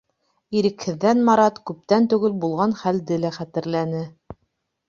Ирекһеҙҙән Марат күптән түгел булған хәлде лә хәтерләне.